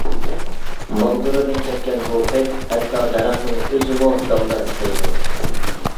ماغدۇرىدىن كەتكەن بۇ پەيت، ھەتتا دەرەخنىڭ ئۆزىمۇ دالدا ئىزدەيدۇ.